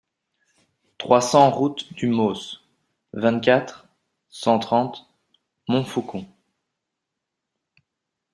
trois cents route du Mausse, vingt-quatre, cent trente, Monfaucon